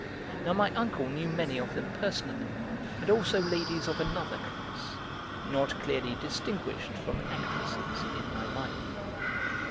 Now my uncle knew many of them personally, and also ladies of another class, not clearly distinguished from actresses in my mind.